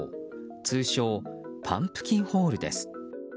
通称パンプキンホールです。